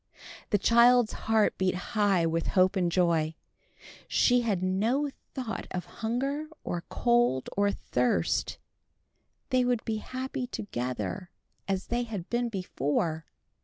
The child's heart beat high with hope and joy. She had no thought of hunger, or cold, or thirst. They would be happy together as they had been before.